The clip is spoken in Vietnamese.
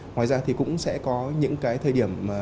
ngoài ra thì cũng sẽ có những cái thời điểm